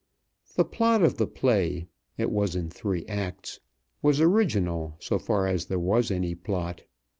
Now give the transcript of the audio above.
The plot of the play it was in three acts was original, so far as there was any plot.